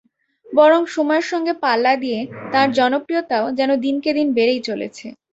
বরং সময়ের সঙ্গে পাল্লা দিয়ে তাঁর জনপ্রিয়তাও যেন দিনকে দিন বেড়েই চলেছে।